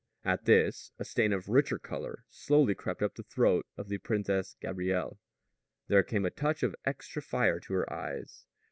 At this, a stain of richer color slowly crept up the throat of the Princess Gabrielle; there came a touch of extra fire to her eyes.